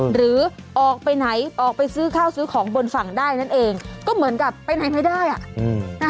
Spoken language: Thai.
หรือออกไปไหนออกไปซื้อข้าวซื้อของบนฝั่งได้นั่นเองก็เหมือนกับไปไหนไม่ได้อ่ะ